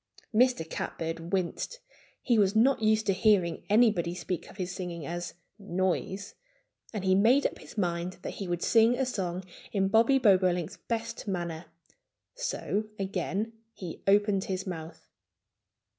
Mr. Catbird winced. He was not used to hearing anybody speak of his singing as "noise." And he made up his mind that he would sing a song in Bobby Bobolink's best manner. So again he opened his mouth.